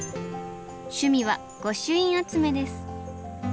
趣味は御朱印集めです。